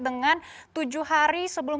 dengan tujuh hari sebelum